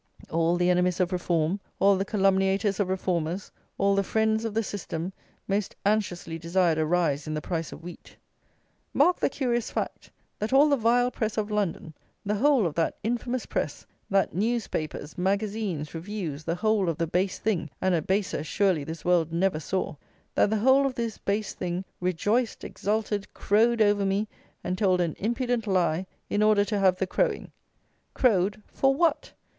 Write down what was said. All the enemies of Reform, all the calumniators of Reformers, all the friends of the System, most anxiously desired a rise in the price of wheat. Mark the curious fact, that all the vile press of London; the whole of that infamous press; that newspapers, magazines, reviews: the whole of the base thing; and a baser surely this world never saw; that the whole of this base thing rejoiced, exulted, crowed over me, and told an impudent lie, in order to have the crowing; crowed, for what?